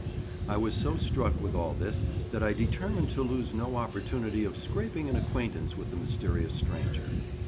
I was so struck with all this that I determined to lose no opportunity of scraping an acquaintance with the mysterious stranger.